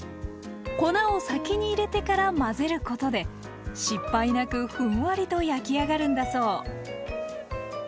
粉を先に入れてから混ぜることで失敗なくふんわりと焼き上がるんだそう。